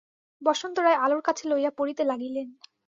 বসন্ত রায় আলোর কাছে লইয়া পড়িতে লাগিলেন।